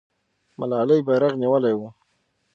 ملالۍ بیرغ نیولی وو.